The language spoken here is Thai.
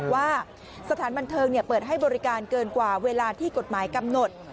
ว่าสถานบันเทิงเปิดให้บริการเกินกว่าเวลาที่กฎหมายกำหนด